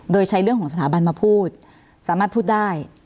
โดยใช้เรื่องของสถาบันมาพูดสามารถพูดได้